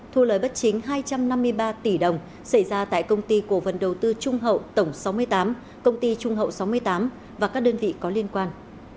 thu lời bất chính hai trăm năm mươi ba tỷ đồng xảy ra tại công ty cổ phần đầu tư trung hậu tổng sáu mươi tám công ty trung hậu sáu mươi tám và các đơn vị có liên quan